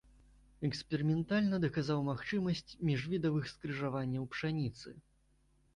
Эксперыментальна даказаў магчымасць міжвідавых скрыжаванняў пшаніцы.